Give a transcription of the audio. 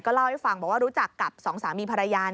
เล่าให้ฟังบอกว่ารู้จักกับสองสามีภรรยา